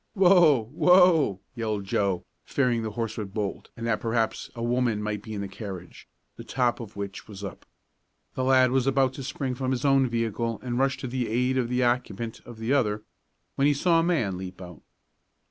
"Whoa! Whoa!" yelled Joe, fearing the horse would bolt and that perhaps a woman might be in the carriage, the top of which was up. The lad was about to spring from his own vehicle and rush to the aid of the occupant of the other, when he saw a man leap out.